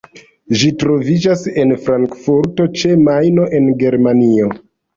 Ĝi troviĝas en Frankfurto ĉe Majno, Germanio.